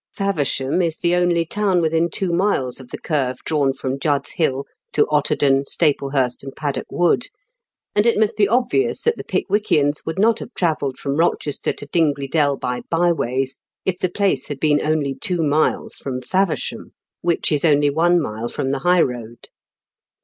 Faversham is the only town within two miles of the curve drawn from Judd's Hill to Otterden, Staplehurst, and Paddock Wood; and it must be obvious that the Pickwickians would not have travelled from Rochester to Dingley Dell by by ways if the place had been only two miles from Favers DINOLET BELL. 113 ham, which is only one mile from the high road.